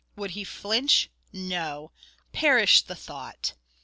Would he flinch? No! Perish the thought!